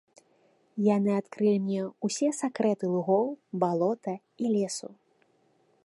Яны адкрылі мне ўсе сакрэты лугоў, балота і лесу.